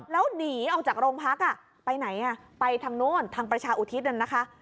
แล้วหนีออกจากโรงพักอ่ะไปไหนไปทางโน้นทางประชาอุทิศนั้นนะคะ